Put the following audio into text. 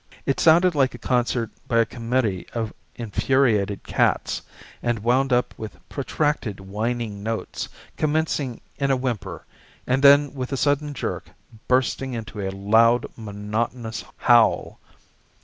It sounded like a concert by a committee of infuriated cats, and wound up with protracted whining notes, commencing in a whimper, and then with a sudden jerk, bursting into a loud, monotonous howl.